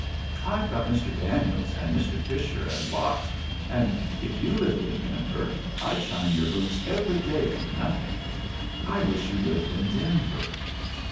I've got Mr. Daniels an' Mr. Fisher an' lots, an' if you lived in Denver I'd shine your boots every day for nothing. I wished you lived in Denvef."